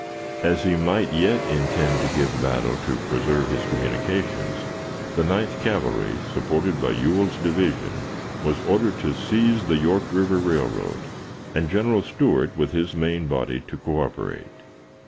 As he might yet intend to give battle to preserve his communications, the Ninth Cavalry, supported by Ewell's division, was ordered to seize the York River Railroad, and General Stuart with his main body to coöperate.